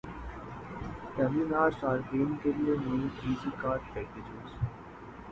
ٹیلی نار صارفین کے لیے نئے ایزی کارڈ پیکجز